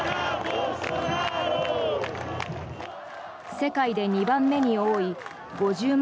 世界で２番目に多い５０万